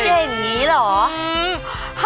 เก่งเง่อนี้เหรอ